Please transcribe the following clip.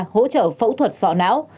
hỗ trợ phẫu thuật sọ não